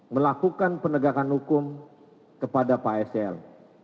melakukan penegakan hukum kepada pak sel